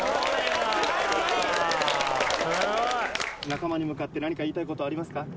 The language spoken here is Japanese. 仲間に向かって何か言いたい事ありますか？